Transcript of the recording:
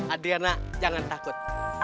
adriana jangan takut